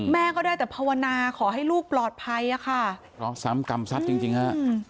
แม่ก็ได้แต่ภาวนาขอให้ลูกปลอดภัยอะค่ะรอสามกรรมซัดจริงฮะ